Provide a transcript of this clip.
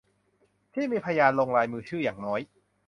ที่มีพยานลงลายมือชื่ออย่างน้อย